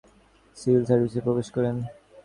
তিনি ভারতীয় সিভিল সার্ভিসে প্রবেশ করেন।